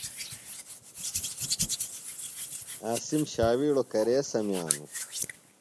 عاصم ݜاوِیڑوۡ کرے سمِیانوۡ؟